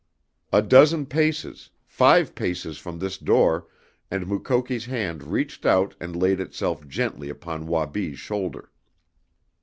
A dozen paces, five paces from this door, and Mukoki's hand reached out and laid itself gently upon Wabi's shoulder.